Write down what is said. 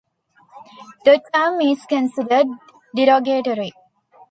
The term is considered derogatory.